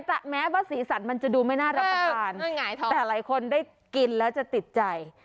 แต่แม้ว่าสีสันมันจะดูไม่น่ารับประทานแต่หลายคนได้กินแล้วจะติดใจ